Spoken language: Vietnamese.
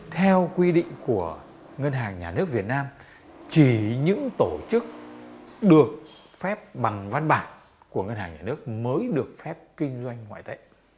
theo quy định của ngân hàng nhà nước việt nam chỉ những tổ chức được phép bằng văn bản của ngân hàng nhà nước mới được phép kinh doanh ngoại tệ